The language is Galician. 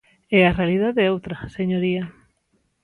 E a realidade é outra, señoría.